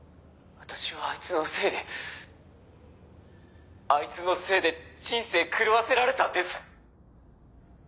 「私はあいつのせいであいつのせいで人生狂わせられたんです！」